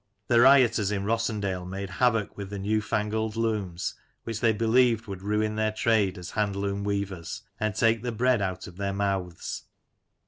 The rioters in Rossendale made havoc with the new fangled looms, which they believed would ruin their trade as hand loom weavers, and take the bread out of their mouths.